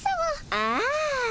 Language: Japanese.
ああ。